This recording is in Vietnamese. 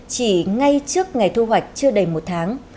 chỉ ngay trước ngày thu hoạch chưa đầy một tháng